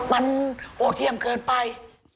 มันโหดเที่ยมเกินไป